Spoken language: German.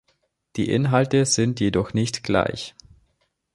Die Inhalte sind jedoch nicht gleich.